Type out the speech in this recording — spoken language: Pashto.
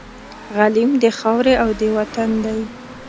غلیم د خاوري او د وطن دی